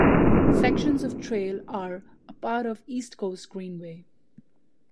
Sections of trail are a part of the East Coast Greenway.